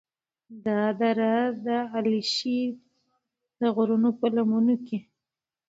دا دره د علیشي د غرونو په لمنو کې